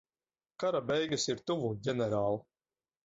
Kara beigas ir tuvu, ģenerāl.